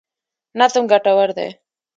نظم ګټور دی.